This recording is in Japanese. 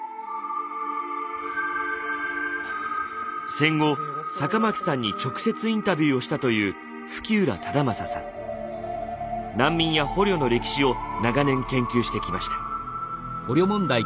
戦後酒巻さんに直接インタビューをしたという難民や捕虜の歴史を長年研究してきました。